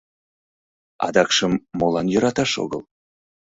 Адакшым молан йӧраташ огыл!